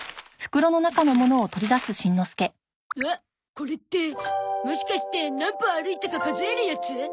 これってもしかして何歩歩いたか数えるやつ？